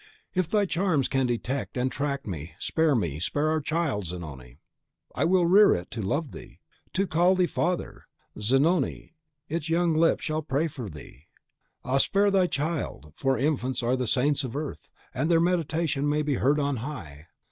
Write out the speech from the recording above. If thy charms can detect and tract me, spare me, spare our child! Zanoni, I will rear it to love thee, to call thee father! Zanoni, its young lips shall pray for thee! Ah, spare thy child, for infants are the saints of earth, and their mediation may be heard on high!